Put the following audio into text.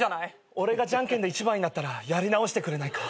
俺がじゃんけんで一番になったらやり直してくれないか？